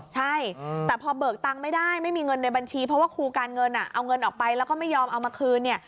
ใช่แต่พอเบิกตังค์ไม่ได้ไม่มีเงินในบัญชีเพราะว่าครูการเงินเอาเงินออกไปแล้วก็ไม่ยอมเอามาคืนเนี่ย